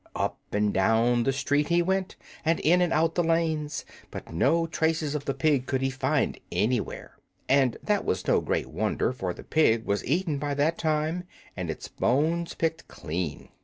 Up and down the street he went, and in and out the lanes, but no traces of the pig could he find anywhere. And that was no great wonder, for the pig was eaten by that time and its bones picked clean.